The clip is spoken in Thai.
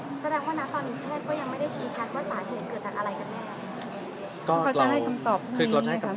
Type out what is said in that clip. แสดงว่าตอนนี้แพทย์ก็ยังไม่ได้ชี้ชัดว่าสาเหตุเกิดจากอะไรกันแน่